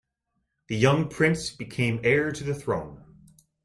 The young prince became heir to the throne.